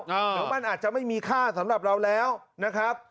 เดี๋ยวมันอาจจะไม่มีค่าสำหรับเราแล้วนะครับ